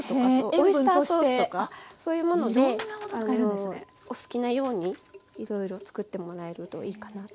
オイスターソースとかそういうものでお好きなようにいろいろ作ってもらえるといいかなと。